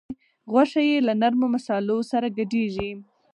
غوښه یې له نرمو مصالحو سره ګډیږي.